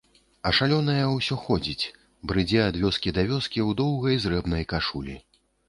А шалёная ўсё ходзіць, брыдзе ад вёскі да вёскі ў доўгай зрэбнай кашулі.